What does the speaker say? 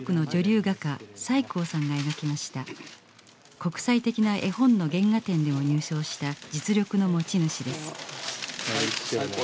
国際的な絵本の原画展でも入賞した実力の持ち主です。